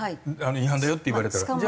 違反だよって言われたら。